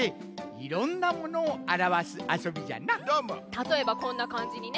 たとえばこんなかんじにね。